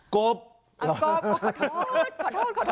กบขอโทษขอโทษขอโทษ